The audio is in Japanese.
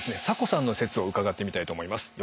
サコさんの説を伺ってみたいと思います。